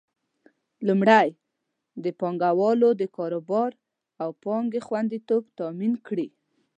لومړی: د پانګوالو د کاروبار او پانګې خوندیتوب تامین کړي.